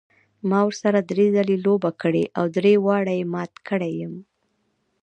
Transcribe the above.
ما ورسره درې ځلې لوبه کړې او درې واړه یې مات کړی یم.